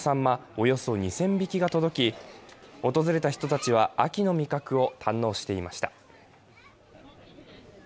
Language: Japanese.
およそ２０００匹が届き、訪れた人たちは秋の味覚を堪能していました。